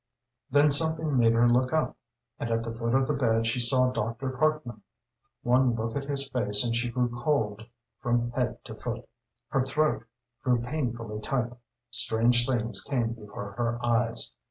Then something made her look up, and at the foot of the bed she saw Dr. Parkman. One look at his face and she grew cold from head to foot; her throat grew painfully tight; strange things came before her eyes.